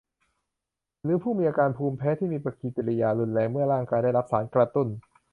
หรือผู้มีอาการภูมิแพ้ที่มีปฏิกิริยารุนแรงเมื่อร่างกายได้รับสารกระตุ้น